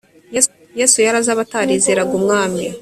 yesu yari azi abatarizeraga umwami.